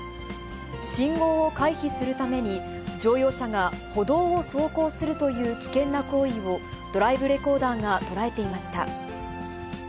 信号を回避するために、乗用車が歩道を走行するという危険な行為をドライブレコーダーが捉えていました。